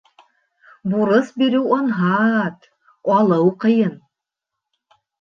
Бурыс биреү анһат, алыу ҡыйын.